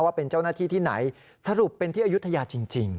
ว่าเป็นเจ้าหน้าที่ที่ไหนสรุปเป็นที่อายุทยาจริง